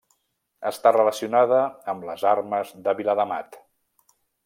Està relacionada amb les armes de Viladamat.